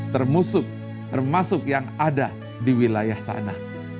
termusuk termasuk yang ada di wilayah sana